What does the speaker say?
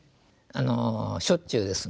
あのしょっちゅうですね。